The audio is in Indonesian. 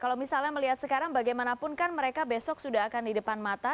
kalau misalnya melihat sekarang bagaimanapun kan mereka besok sudah akan di depan mata